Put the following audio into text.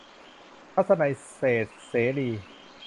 ทัศนัย เศรษฐเสรี